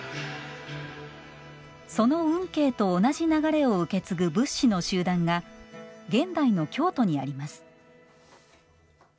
その運慶と同じ流れを受け継ぐ仏師の集団が現代の京都にあります。